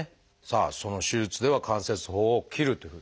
さあその手術では関節包を切るという。